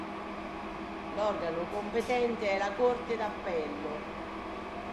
L'organo competente è la Corte d'Appello.